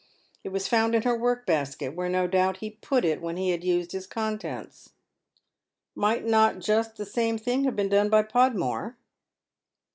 It was found in her work basket, where no doubt he put it when he had used its contents." "Might not just the same thing have been done by Podmore?